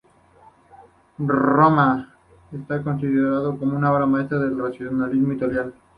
Está considerado una obra maestra del racionalismo italiano.